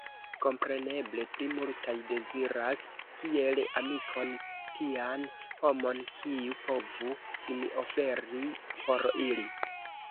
Kompreneble, pli multaj deziras kiel amikon tian homon, kiu povu sin oferi por ili.